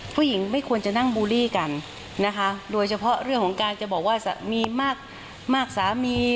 ผู้หญิงไม่ควรจะนั่งบูลลี่กันนะคะโดยเฉพาะเรื่องของการจะบอกว่าสามีมากสามี